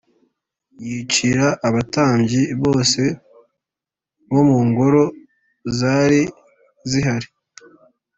Yicira abatambyi bose bo mu ngoro zari zihari